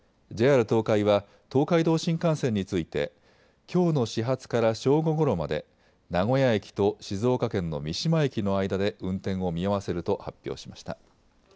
ＪＲ東海は東海道新幹線についてきょうの始発から正午ごろまで名古屋駅と静岡県の三島駅の間で運転を見合わせると発表しました。